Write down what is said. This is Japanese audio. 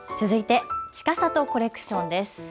続いて、ちかさとコレクションです。